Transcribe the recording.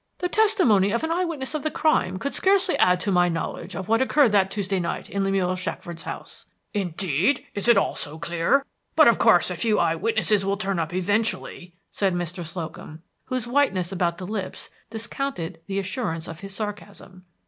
The testimony of an eye witness of the crime could scarcely add to my knowledge of what occurred that Tuesday night in Lemuel Shackford's house." "Indeed, it is all so clear! But of course a few eye witnesses will turn up eventually," said Mr. Slocum, whose whiteness about the lips discounted the assurance of his sarcasm.